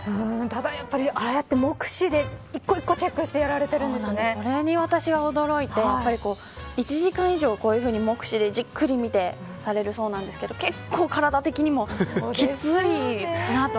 ただやっぱりああやって目視で一戸一戸チェックしてそれに私は驚いて１時間以上目視でじっくり見てと、されるそうなんですけど結構、体的にもきついなと。